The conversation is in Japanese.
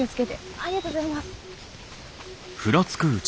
ありがとうございます。